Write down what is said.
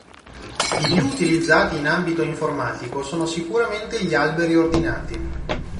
I più utilizzati in ambito informatico sono sicuramente gli alberi ordinati.